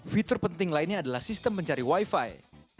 fitur penting lainnya adalah sistem mencari wi fi